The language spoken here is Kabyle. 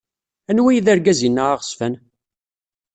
Anwa ay d argaz-inna aɣezfan?